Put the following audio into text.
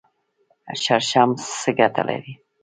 شړشم څه ګټه لري؟